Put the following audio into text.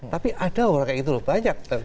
tapi ada orang kayak gitu loh banyak